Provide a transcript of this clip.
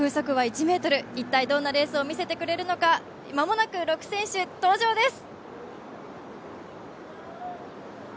風速は１ｍ、一体どんなレースを見せてくれるのか間もなく６選手、登場です。